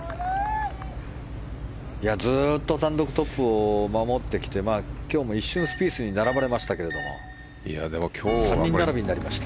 ずっと単独トップを守ってきて今日も一瞬、スピースに並ばれましたけども３人並びになりました。